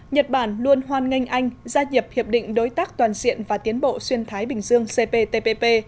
nhật bản luôn hoan nghênh anh gia nhập hiệp định đối tác toàn diện và tiến bộ xuyên thái bình dương cptpp